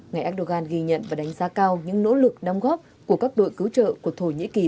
ngày erdogan ghi nhận và đánh giá cao những nỗ lực đóng góp của các đội cứu trợ của thổ nhĩ kỳ